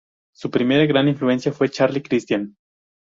Su primera gran influencia fue Charlie Christian.